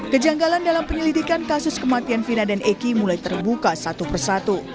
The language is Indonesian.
kejanggalan dalam penyelidikan kasus kematian fina dan eki mulai terbuka satu persatu